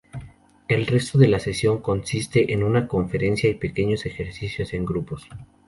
El resto de la sesión consiste en una conferencia y pequeños ejercicios en grupos.